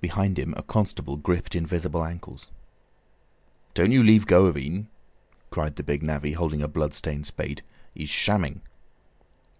Behind him a constable gripped invisible ankles. "Don't you leave go of en," cried the big navvy, holding a blood stained spade; "he's shamming."